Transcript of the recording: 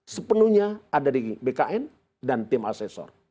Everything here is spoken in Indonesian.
sepenuhnya ada di bkn dan tim asesor